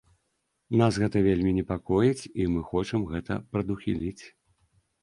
Нас гэта вельмі непакоіць і мы хочам гэта прадухіліць.